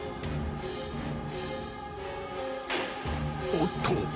［おっと。